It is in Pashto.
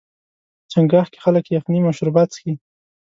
چنګاښ کې خلک یخني مشروبات څښي.